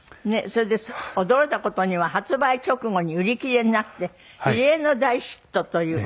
それで驚いた事には発売直後に売り切れになって異例の大ヒットという。